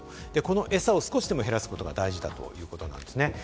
その餌を少しでも減らすことが大事だということなんですね。